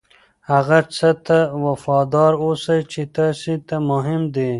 هغه څه ته وفادار اوسئ چې تاسې ته مهم دي.